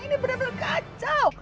ini benar benar kacau